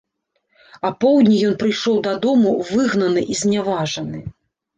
Апоўдні ён прыйшоў дадому выгнаны і зняважаны.